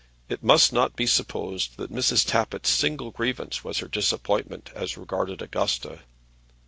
It must not be supposed that Mrs. Tappitt's single grievance was her disappointment as regarded Augusta.